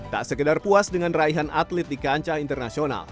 tak sekedar puas dengan raihan atlet di kancah internasional